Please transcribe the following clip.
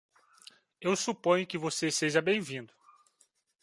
Eu suponho que você seja bem-vindo.